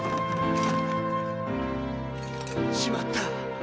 しまった！